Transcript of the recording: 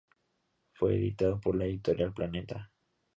Fue editado por la Editorial Planeta.